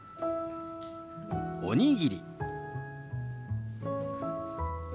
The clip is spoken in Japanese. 「おにぎり」。